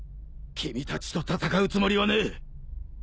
君たちと戦うつもりはねえ。